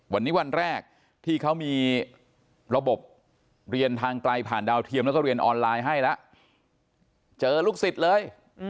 วันนี้วันแรกที่เขามีระบบเรียนทางไกลผ่านดาวเทียมแล้วก็เรียนออนไลน์ให้แล้วเจอลูกศิษย์เลย